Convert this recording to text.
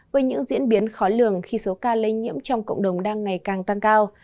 với những diễn biến khó lường khi số ca lây nhiễm trong cộng đồng đang ngày càng tăng cao